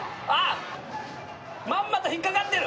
まんまと引っかかってる！